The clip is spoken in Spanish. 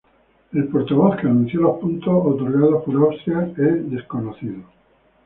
El portavoz que anunció los puntos otorgados por Austria es desconocido.